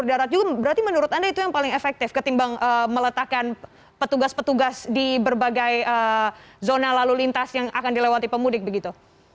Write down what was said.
darat juga berarti menurut anda itu yang paling efektif ketimbang meletakkan petugas petugas di berbagai zona lalu lintas yang akan dilewati pemudik begitu